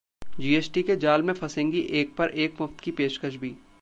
GST के जाल में फंसेगी ‘एक पर एक मुफ्त’ की पेशकश भी